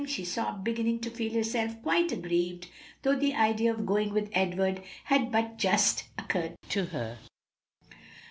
she sobbed, beginning to feel herself quite aggrieved, though the idea of going with Edward had but just occurred to her.